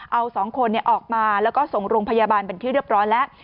เอาสองคนออกมาแล้วก็ส่งโรงพยาบาลเป็นที่เรียบร้อยแล้ว